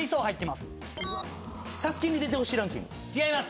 違います。